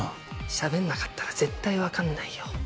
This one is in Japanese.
しゃべんなかったら絶対分かんないよ。